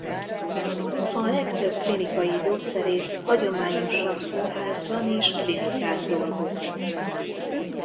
A legtöbb klinikai gyógyszerész hagyományosan kórházban és klinikán dolgozik.